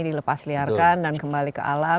dilepasliarkan dan kembali ke alam